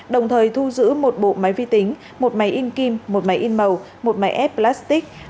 đồng thời thu giữ một bộ máy vi tính một máy in kim một máy in màu một máy ép plastic